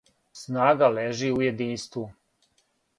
Снага лежи у јединству.